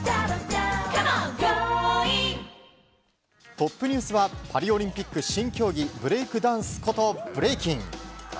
トップニュースはパリオリンピック新競技ブレイクダンスことブレイキン。